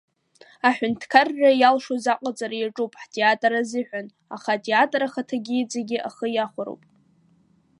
Аҳәынҭқарра иалшоз аҟаҵара иаҿуп ҳтеатр азыҳәан, аха атеатр ахаҭагьы иҵегьы ахы иахәароуп.